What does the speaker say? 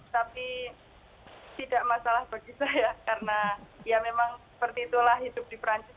jadi tidak masalah bagi saya karena ya memang seperti itulah hidup di perancis